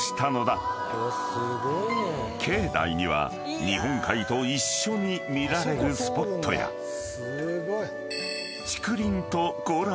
［境内には日本海と一緒に見られるスポットや竹林とコラボした絶景も］